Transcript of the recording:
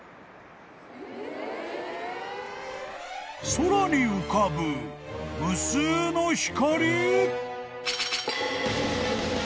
［空に浮かぶ無数の光！？］